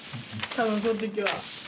多分この時は。